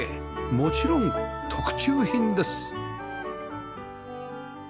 もちろん特注品です